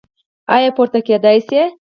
ایا پورته کیدی شئ؟